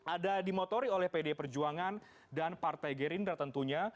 ada di motori oleh pd perjuangan dan partai gerindra tentunya